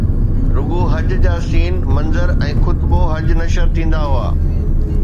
رڳو حج جا سِيئن منظر ۽ خطبہ حج نشر ٿيندا هئا